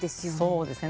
そうですね。